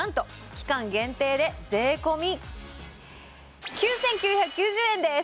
期間限定で税込９９９０円です！